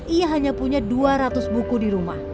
ia hanya punya dua ratus buku di rumah